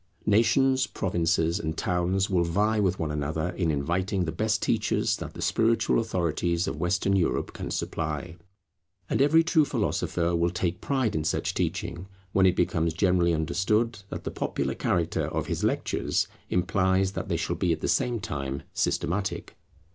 Nations, provinces, and towns will vie with one another in inviting the best teachers that the spiritual authorities of Western Europe can supply. And every true philosopher will take pride in such teaching, when it becomes generally understood that the popular character of his lectures implies that they shall be at the same time systematic.